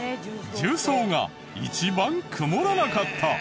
重曹が一番曇らなかった！